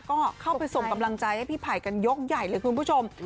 ก็เข้าไปส่งกำลังใจให้พี่ไผ่กันยกใหญ่เลยคุณผู้ชม